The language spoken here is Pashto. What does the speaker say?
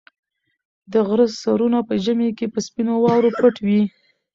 د غره سرونه په ژمي کې په سپینو واورو پټ وي.